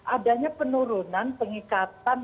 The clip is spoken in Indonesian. adanya penurunan pengikatan